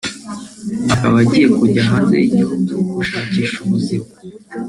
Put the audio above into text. akaba agiye kujya hanze y’igihugu gushakisha ubuzima